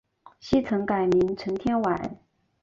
昔曾改名陈天崴。